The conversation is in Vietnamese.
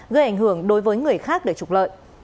gây ảnh hưởng đối với người khác để trục lợi